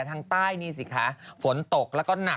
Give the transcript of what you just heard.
อั๊ะเขาอะไรกันนี่